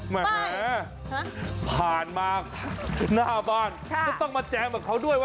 มาฮะผ่านมาหน้าบ้านต้องมาแจงกับเขาด้วยนะ